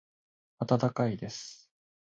温かいです。